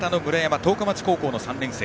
十日町高校の３年生。